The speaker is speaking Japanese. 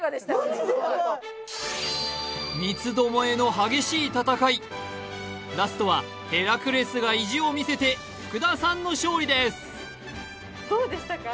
三つどもえの激しい戦いラストはヘラクレスが意地を見せて福田さんの勝利ですどうでしたか？